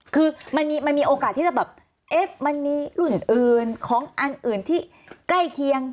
คือมันมีโอกาสที่จะแบบเอ๊ะมันมีรุ่นอื่นของอันอื่นที่ใกล้เคียง